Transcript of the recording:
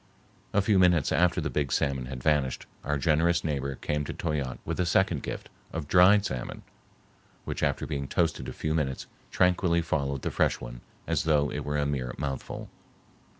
A few minutes after the big salmon had vanished, our generous neighbor came to Toyatte with a second gift of dried salmon, which after being toasted a few minutes tranquilly followed the fresh one as though it were a mere mouthful.